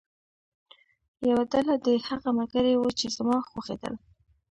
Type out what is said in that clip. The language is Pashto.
یوه ډله دې هغه ملګري وو چې زما خوښېدل.